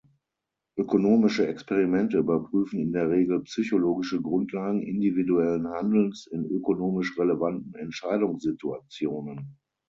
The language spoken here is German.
Ökonomische Experimente überprüfen in der Regel psychologische Grundlagen individuellen Handelns in ökonomisch relevanten Entscheidungssituationen.